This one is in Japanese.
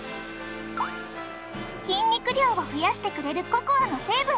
筋肉量を増やしてくれるココアの成分。